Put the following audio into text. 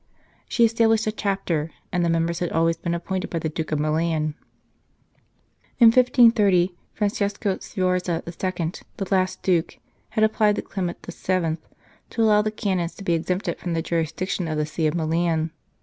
She established a Chapter, and the members had always been appointed by the Duke of Milan. In 1530, Francesco Sforza II., the last Duke, had applied to Clement VII. to allow the Canons to be exempted from the jurisdiction of the See of Milan.